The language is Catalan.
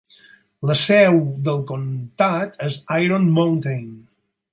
La seu del comtat és Iron Mountain.